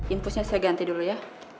inpusnya saya ganti dulu ya